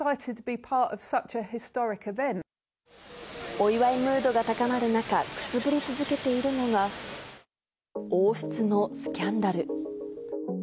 お祝いムードが高まる中、くすぶり続けているのが、王室のスキャンダル。